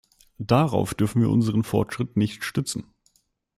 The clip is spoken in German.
Darauf dürfen wir unseren Fortschritt nicht stützen.